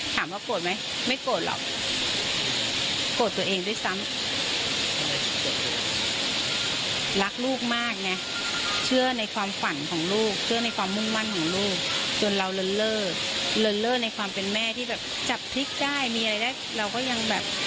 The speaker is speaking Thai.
จนเราระเลิศระเลิศในความเป็นแม่ที่แบบจับทิศได้มีอะไรได้เราก็ยังแบบ